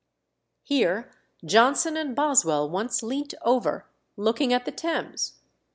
Here Johnson and Boswell once leant over, looking at the Thames.